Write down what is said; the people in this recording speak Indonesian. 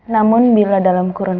namun bila dalam kurun